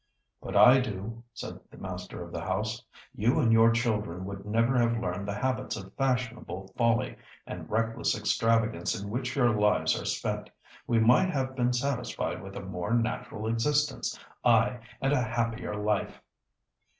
"But I do," said the master of the house. "You and your children would never have learned the habits of fashionable folly and reckless extravagance in which your lives are spent. We might have been satisfied with a more natural existence—aye, and, a happier life."